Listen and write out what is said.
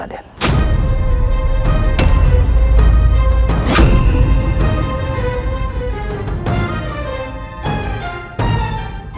akan menyebung ratsa